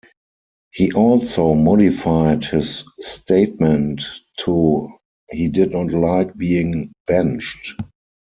He also modified his statement to he did not like being benched.